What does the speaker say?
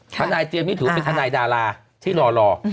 ทนายเจมส์นี่ถือว่าเป็นทนายดาราที่รอ